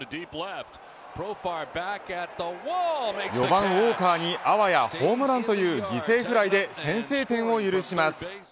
４番ウォーカーにあわやホームランという犠牲フライで先制点を許します。